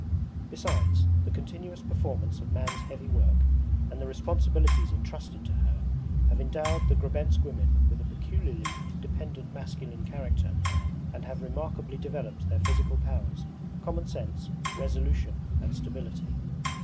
Besides, the continuous performance of man's heavy work and the responsibilities entrusted to her have endowed the Grebensk women with a peculiarly independent masculine character and have remarkably developed their physical powers, common sense, resolution, and stability.